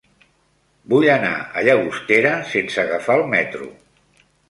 Vull anar a Llagostera sense agafar el metro.